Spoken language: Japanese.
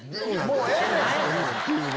もうええねん！